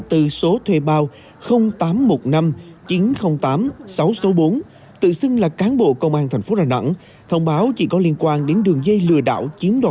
từ số thuê bao tám trăm một mươi năm chín trăm linh tám sáu trăm sáu mươi bốn tự xưng là cán bộ công an tp đà nẵng thông báo chỉ có liên quan đến đường dây lừa đảo chiếm đoạt